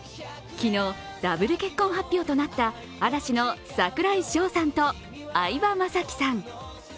昨日、ダブル結婚発表となった嵐の櫻井翔さんと相葉雅紀さん。